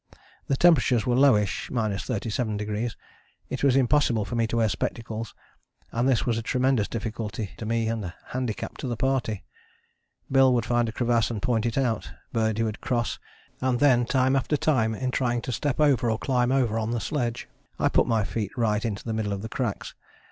The temperatures were lowish ( 37°), it was impossible for me to wear spectacles, and this was a tremendous difficulty to me and handicap to the party: Bill would find a crevasse and point it out; Birdie would cross; and then time after time, in trying to step over or climb over on the sledge, I put my feet right into the middle of the cracks.